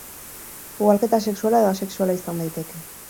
Ugalketa sexuala edo asexuala izan daiteke.